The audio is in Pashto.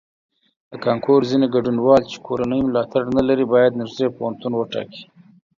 د کانکور ځینې ګډونوال چې کورنی ملاتړ نه لري باید نږدې پوهنتون وټاکي.